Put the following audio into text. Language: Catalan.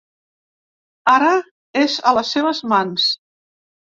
Ara és a les seves mans.